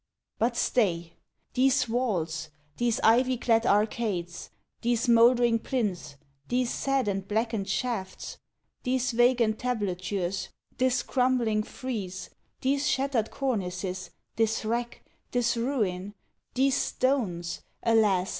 But stay! these walls these ivy clad arcades These mouldering plinths these sad and blackened shafts These vague entablatures this crumbling frieze These shattered cornices this wreck this ruin These stones alas!